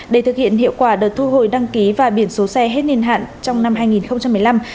để thực hiện hiệu quả đợt thu hồi đăng ký và biển số xe hết niên hạn trong năm hai nghìn một mươi năm